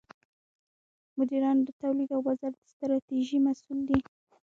مدیران د تولید او بازار د ستراتیژۍ مسوول دي.